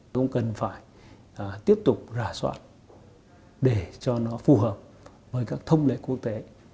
cũng cần phải tiếp tục rà soát để cho nó phù hợp với các thông lệ quốc tế